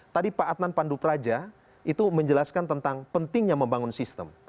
tadi pak adnan pandu praja itu menjelaskan tentang pentingnya membangun sistem